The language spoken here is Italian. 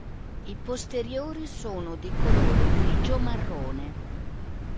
I posteriori sono di colore grigio marrone.